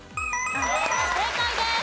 正解です。